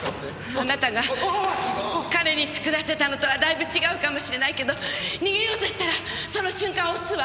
あなたが彼に作らせたのとはだいぶ違うかも知れないけど逃げようとしたらその瞬間押すわ。